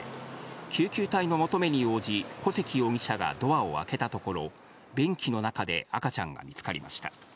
救急隊の求めに応じ、小関容疑者がドアを開けたところ、便器の中で赤ちゃんが見つかりました。